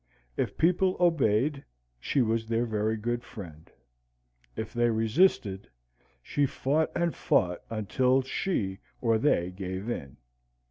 If people obeyed, she was their very good friend; if they resisted, she fought and fought until she or they gave in.